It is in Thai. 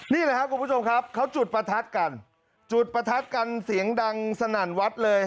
นี่แหละครับคุณผู้ชมครับเขาจุดประทัดกันจุดประทัดกันเสียงดังสนั่นวัดเลย